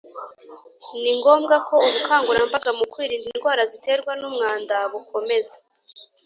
Ni ngombwa ko ubukangurambaga mu kwirinda indwara ziterwa n umwanda bukomeza